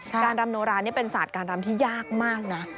การรำโนรานี่เป็นศาสตร์การรำที่ยากมากนะ